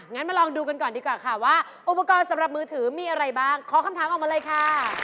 งั้นมาลองดูกันก่อนดีกว่าค่ะว่าอุปกรณ์สำหรับมือถือมีอะไรบ้างขอคำถามออกมาเลยค่ะ